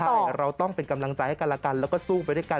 ใช่เราต้องเป็นกำลังใจให้กันละกันแล้วก็สู้ไปด้วยกัน